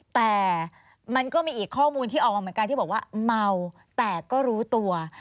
แต่มันก็มีอีกข้อมูลที่ออกมาเหมือนกันที่บอกว่าเมาแต่ก็รู้ตัว